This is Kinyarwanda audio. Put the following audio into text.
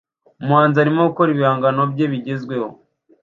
Umuhanzi arimo gukora ibihangano bye bigezweho